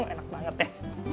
enak banget ya